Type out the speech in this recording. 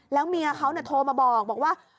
แล้วเมียเขาโทรมาบอกว่า